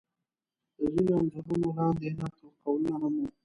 د ځینو انځورونو لاندې نقل قولونه هم و.